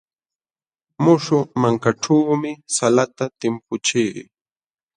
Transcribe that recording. Muśhuq mankaćhuumi salata timpuchii.